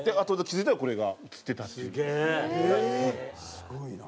すごいな。